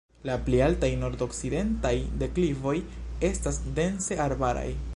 La pli altaj nordokcidentaj deklivoj estas dense arbaraj.